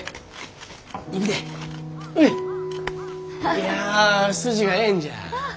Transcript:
いや筋がええんじゃ。